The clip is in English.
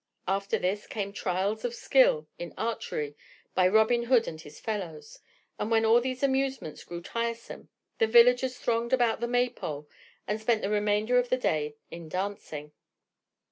After this came trials of skill in archery by Robin Hood and his fellows, and when all these amusements grew tiresome, the villagers thronged about the May pole and spent the remainder of the day in dancing.